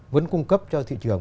vẫn cung cấp cho thị trường